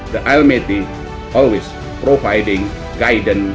dan memberikan perhatian dan kebaikan